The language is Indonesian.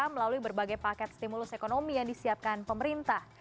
melalui berbagai paket stimulus ekonomi yang disiapkan pemerintah